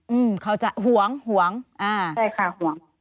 อืมเขาจะหวงอ่าใช่ค่ะหวง